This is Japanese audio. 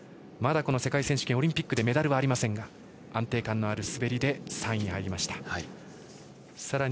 まだ世界選手権、オリンピックでメダルはありませんが安定感のある滑りで３位です。